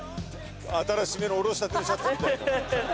新しめのおろしたてのシャツみたいな。